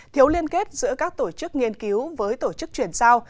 thiếu liên kết giữa các tổ chức nghiên cứu với tổ chức chuyển giao